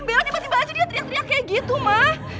bella dia masih baca dia teriak teriak kayak gitu ma